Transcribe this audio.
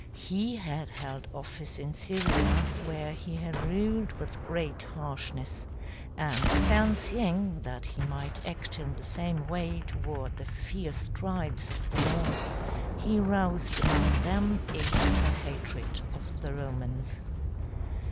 He had held office in Syria, where he had ruled with great harshness; and fancying that he might act in the same way toward the fierce tribes of the North, he roused among them a bitter hatred of the Romans. [Illustration: Hermann's triumph over the Romans.